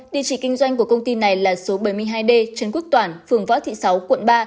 địa chỉ kinh doanh của công ty này là số bảy mươi hai d trần quốc toàn phường võ thị sáu quận ba